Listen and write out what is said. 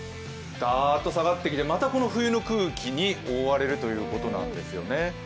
だーっと下がってきて、また冬の空気に覆われるということいなんですよね。